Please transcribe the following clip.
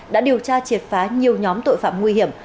đã điều tra triệt phá nhiều nhóm tội phạm nguy hiểm